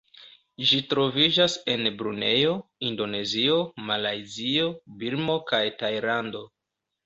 Ĝi troviĝas en Brunejo, Indonezio, Malajzio, Birmo kaj Tajlando.